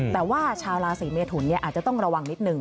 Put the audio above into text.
แต่ว่าชาวราศีเมทุนอาจจะต้องระวังนิดนึง